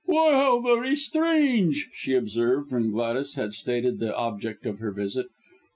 "Why, how very strange," she observed when Gladys had stated the object of her visit.